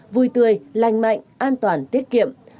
vui tươi lành mạnh an toàn tiết kiệm